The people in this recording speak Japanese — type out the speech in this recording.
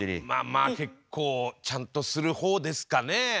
まあまあ結構ちゃんとする方ですかね。